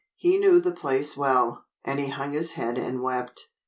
He knew the place well, and he hung his head and wept.